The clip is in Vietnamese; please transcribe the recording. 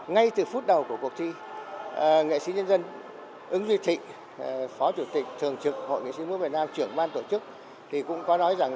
ngay từ phút đầu của cuộc thi nghệ sĩ nhân dân ứng duy thị phó chủ tịch thường trực hội nghệ sĩ nước việt nam trưởng ban tổ chức